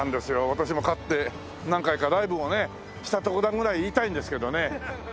私もかつて何回かライブをねしたとこだぐらい言いたいんですけどね。